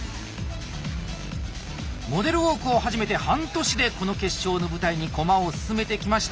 モデルウォークを始めて半年でこの決勝の舞台に駒を進めてきました